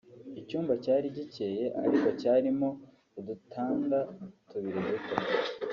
Icyumba cyari gikeye ariko cyarimo udutanda tubiri duto